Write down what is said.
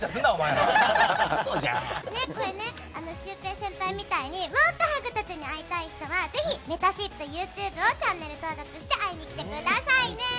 シュウペイ先輩みたいにもっとハグたちに会いたい人はぜひめたしっぷＹｏｕＴｕｂｅをチャンネル登録して会いに来てくださいね。